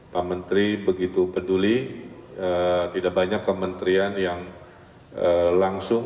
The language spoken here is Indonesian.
pak menteri begitu peduli tidak banyak kementerian yang langsung